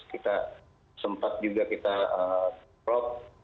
kita sempat juga kita plot